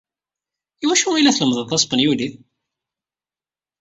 I wacu ay la tlemmded taspenyulit?